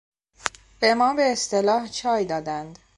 به ما به اصطلاح چای دادند.